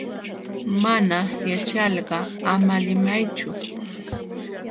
Mana yaćhalqa ama limaychu.